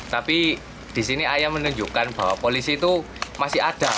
tapi di sini ayah menunjukkan bahwa polisi itu masih ada